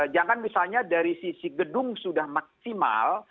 jangan misalnya dari sisi gedung sudah maksimal